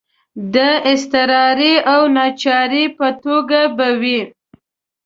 د اضطراري او ناچارۍ په توګه به وي.